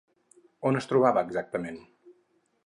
On es trobava exactament?